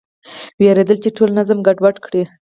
وېرېدل چې ټولنې نظم ګډوډ کړي.